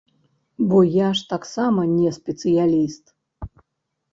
Бо я ж таксама не спецыяліст.